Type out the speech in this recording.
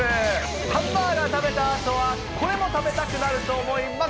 ハンバーガー食べたあとは、これも食べたくなると思います。